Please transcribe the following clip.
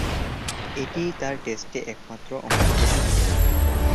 এটিই তার টেস্টে একমাত্র অংশগ্রহণ ছিল।